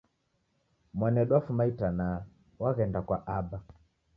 Mwanedu wafuma itanaa w'aghenda kwa aba